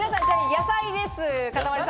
野菜です。